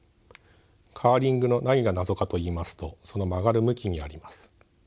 カーリングの何が謎かといいますとその曲がる向きにあります。